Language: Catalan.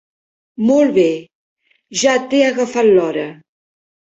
Molt bé, ja t'he agafat l'hora.